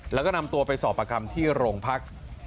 แล้วก็นำตัวไปสอบประคำที่โรงพัก